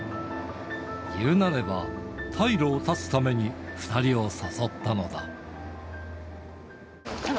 いうなれば、退路を断つために２人を誘ったのだ。